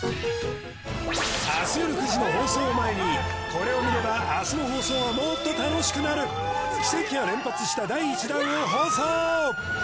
明日夜９時の放送を前にこれを見れば明日の放送がもっと楽しくなる奇跡が連発した第１弾を放送！